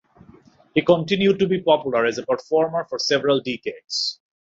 He continued to be popular as a performer for several decades.